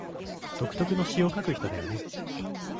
独特の詩を書く人だよね